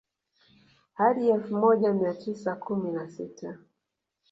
Hadi elfu moja mia tisa kumi na sita